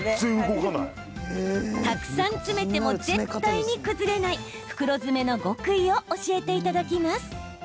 たくさん詰めても絶対に崩れない袋詰めの極意を教えていただきます。